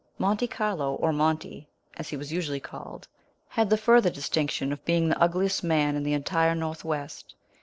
Monte Carlo, or Monty, as he was usually called, had the further distinction of being the ugliest man in the entire north west.